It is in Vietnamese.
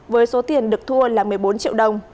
với số tiền được thua là một mươi bốn triệu đồng